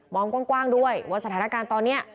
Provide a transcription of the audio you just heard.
กว้างด้วยว่าสถานการณ์ตอนนี้